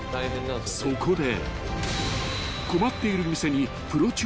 ［そこで］